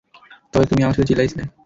তবে তুমি আমার সাথে চিল্লাই ছিলে!